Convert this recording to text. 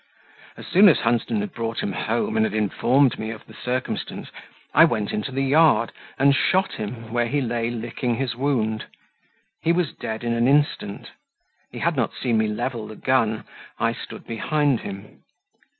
As soon as Hunsden had brought him home, and had informed me of the circumstance, I went into the yard and shot him where he lay licking his wound: he was dead in an instant; he had not seen me level the gun; I stood behind him.